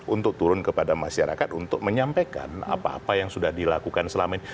untuk turun kepada masyarakat untuk menyampaikan apa apa yang sudah dilakukan selama ini